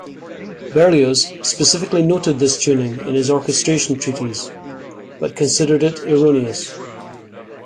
Berlioz specifically noted this tuning in his orchestration treatise, but considered it erroneous.